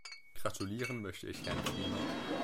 Gratulieren möchte ich Herrn Klima.